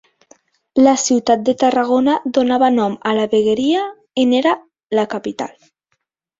La ciutat de Tarragona donava nom a la vegueria i n'era la capital.